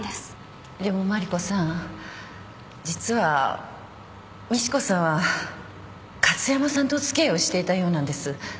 でも麻里子さん実は美知子さんは加津山さんとお付き合いをしていたようなんです。